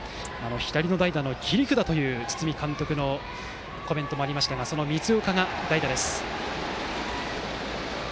左の代打の切り札という堤監督のコメントもありましたがその光岡が代打です。